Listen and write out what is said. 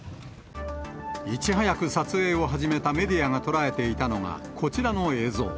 いち早く撮影を始めたメディアが捉えていたのはこちらの映像。